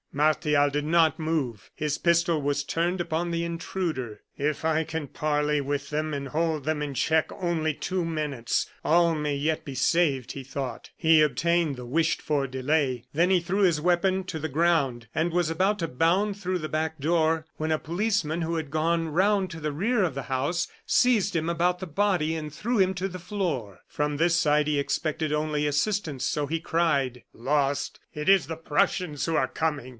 Martial did not move; his pistol was turned upon the intruder. "If I can parley with them, and hold them in check only two minutes, all may yet be saved," he thought. He obtained the wished for delay; then he threw his weapon to the ground, and was about to bound through the back door, when a policeman, who had gone round to the rear of the house, seized him about the body, and threw him to the floor. From this side he expected only assistance, so he cried: "Lost! It is the Prussians who are coming!"